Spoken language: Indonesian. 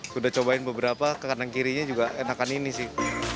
sudah cobain beberapa ke kanan kirinya juga enakan ini sih